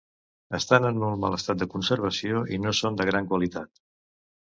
Estan en molt mal estat de conservació i no són de gran qualitat.